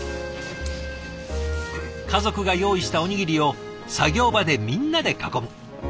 家族が用意したおにぎりを作業場でみんなで囲む。